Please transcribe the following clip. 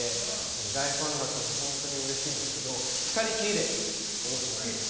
大ファンだったので本当にうれしいんですけど二人きりで踊ってもらいます。